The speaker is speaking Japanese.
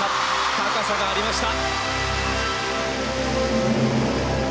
高さがありました。